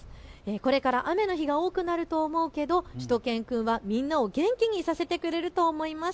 これから雨の日が多くなると思うけど、しゅと犬くんはみんなを元気にさせてくれると思います。